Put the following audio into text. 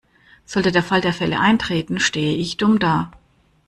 Sollte der Fall der Fälle eintreten, stehe ich dumm da.